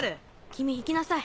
君行きなさい。